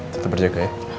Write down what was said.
tetep berjaga ya